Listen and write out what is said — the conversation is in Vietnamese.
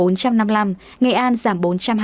nghệ an giảm bốn trăm hai mươi bốn